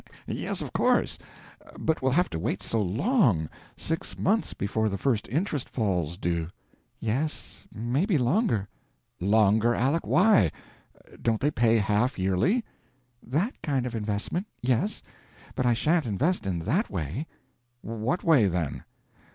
Yes, of course. But we'll have to wait so long. Six months before the first interest falls due." "Yes maybe longer." "Longer, Aleck? Why? Don't they pay half yearly?" "_That _kind of an investment yes; but I sha'n't invest in that way." "What way, then?"